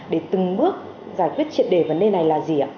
để từng bước giải quyết triệt đề vấn đề này là gì ạ